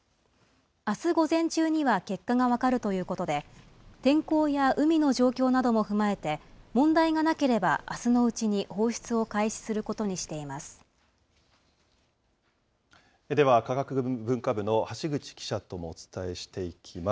あす午前中には結果が分かるということで、天候や海の状況なども踏まえて、問題がなければ、あすのうちに放出を開始することにしでは、科学文化部の橋口記者ともお伝えしていきます。